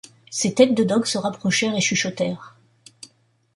Ces têtes de dogues se rapprochèrent et chuchotèrent.